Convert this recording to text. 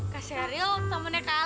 kak sheryl temennya kak